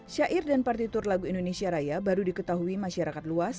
syair dan partitur lagu indonesia raya baru diketahui masyarakat luas